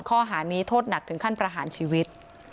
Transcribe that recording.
ข้อหานี้โทษหนักถึงขั้นประหารชีวิต